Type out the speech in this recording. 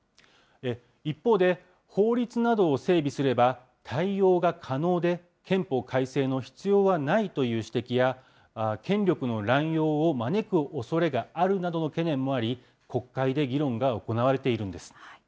一方で、法律などを整備すれば、対応が可能で、憲法改正の必要はないという指摘や、権力の乱用を招くおそれがあるなどの懸念もあり、国会で議論が行われているんです。